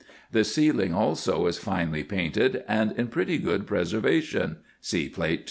The ceiling also is finely painted, and in pretty good preservation (See Plate 2).